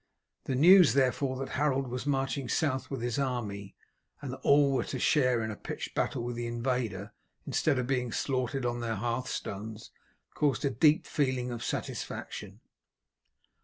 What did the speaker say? The news, therefore, that Harold was marching south with his army, and that all were to share in a pitched battle with the invader instead of being slaughtered on their hearthstones, caused a deep feeling of satisfaction.